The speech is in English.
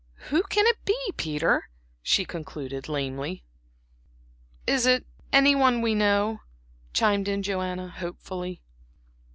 "Who can it be, Peter?" she concluded, lamely. "Is it any one we know?" chimed in Joanna, hopefully.